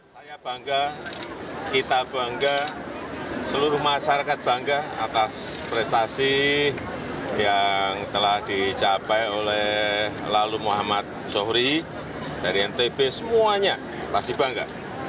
saya bangga kita bangga seluruh masyarakat bangga atas prestasi yang telah dicapai oleh lalu muhammad zohri dari ntb semuanya pasti bangga